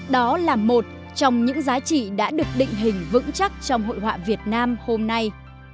đó là một trong những giá trị đã được định hình vững chắc trong hội họa việt nam hôm nay